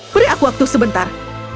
beri aku waktu sebentar